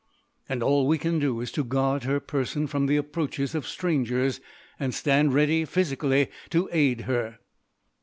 "And all we can do is to guard her person from the approach of strangers, and stand ready, physically, to aid her.